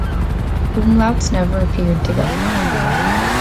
Umlauts never appear together.